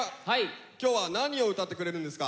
今日は何を歌ってくれるんですか？